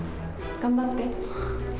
頑張って。